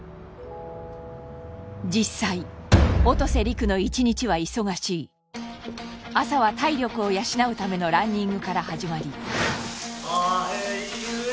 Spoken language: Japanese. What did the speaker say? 実際音瀬陸の一日は忙しい朝は体力を養うためのランニングから始まりあえいうえ